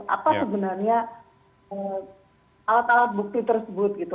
apa sebenarnya alat alat bukti tersebut gitu